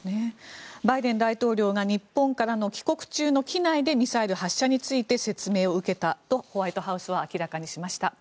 バイデン大統領が日本からの帰国中の機内でミサイル発射について説明を受けたとホワイトハウスは明らかにしました。